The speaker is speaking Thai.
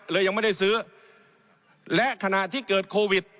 ยังไม่ได้ซื้อและขณะที่เกิดโควิด